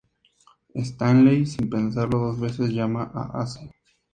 Stanley sin pensarlo dos veces llama a Ace.